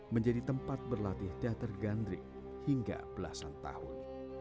menjadi tempat berlatih teater gandrik hingga belasan tahun